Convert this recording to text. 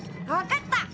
わかった！